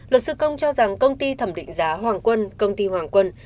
luật sư công cho rằng công ty thẩm định giá hoàng quân công ty hoàng quân